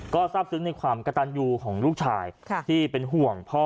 ก็ทราบซึ้งในความกระตันยูของลูกชายที่เป็นห่วงพ่อ